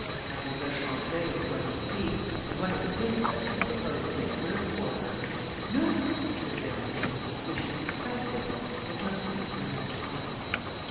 Mademoiselle Champré was going to speak, and one of the princesses proposed to make room for her. "No! no!" said Leontine, "we should be stifled; it must be for another time."